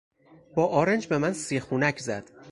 با آرنج به من سیخونک زد.